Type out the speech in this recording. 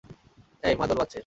অ্যাই, মাদল বাজছে।